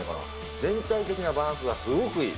全体的なバランスがすごくいい。